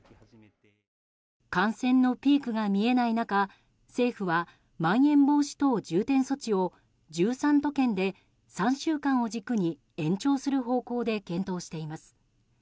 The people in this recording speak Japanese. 感染のピークが見えない中政府はまん延防止等重点措置を１３都県で３週間を軸に延長する方向で検討しています。